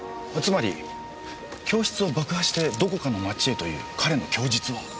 つまり教室を爆破してどこかの町へという彼の供述は。